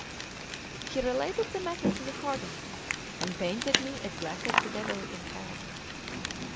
He related the matter to the Cardinal, and painted me as black as the devil in hell.